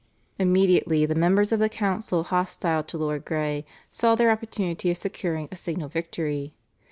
" Immediately the members of the council hostile to Lord Grey saw their opportunity of scoring a signal victory.